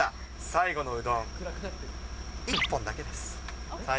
最後のうどん、１本だけです。